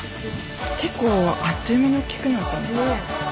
結構あっという間に大きくなったね。